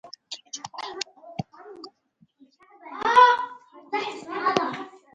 ميلوا إلى الدار من ليلى نحييها